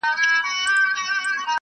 • دلته کیسې د شاپېریو د بدریو کېدې -